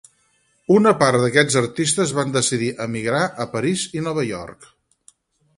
Una part d'aquests artistes van decidir emigrar a París i Nova York.